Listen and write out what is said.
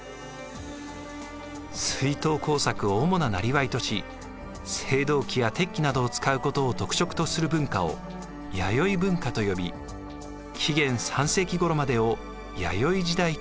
水稲耕作を主な生業とし青銅器や鉄器などを使うことを特色とする文化を弥生文化と呼び紀元３世紀ごろまでを弥生時代といいます。